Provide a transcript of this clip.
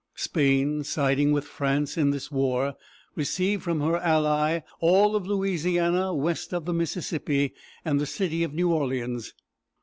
Spain, siding with France in this war, received from her ally all of Louisiana west of the Mississippi, and the city of New Orleans.